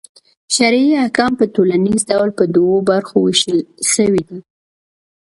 شرعي احکام په ټوليز ډول پر دوو برخو وېشل سوي دي.